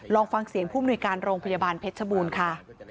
ลองฟังเสียงผู้มนุยการโรงพยาบาลเพชรชบูรณ์ค่ะ